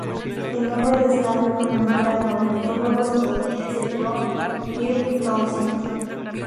El nombre de esta ave conmemora el ornitólogo estadounidense John Kirk Townsend.